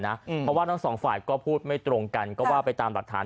เพราะว่าทั้งสองฝ่ายก็พูดไม่ตรงกันก็ว่าไปตามหลักฐาน